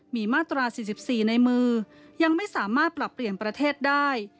มีมาตรา๔๔ในมือยังไม่สามารถปรับเปลี่ยนประเทศได้